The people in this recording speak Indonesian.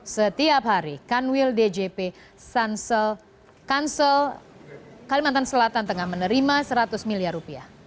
setiap hari kanwil djp kansel kalimantan selatan tengah menerima seratus miliar rupiah